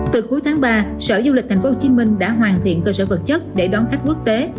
từ cuối tháng ba sở du lịch tp hcm đã hoàn thiện cơ sở vật chất để đón khách quốc tế